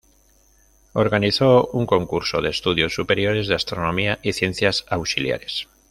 Organizó un curso de Estudios Superiores de Astronomía y Ciencias Auxiliares.